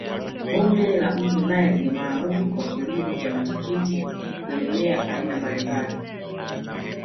Bonde la mto naili ni maarufu kwa kilimo cha matikiti na mimea aina mbalimbali